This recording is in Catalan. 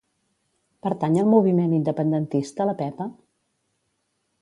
Pertany al moviment independentista la Pepa?